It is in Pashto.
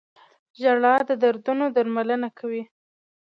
• ژړا د دردونو درملنه کوي.